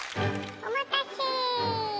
お待たせ。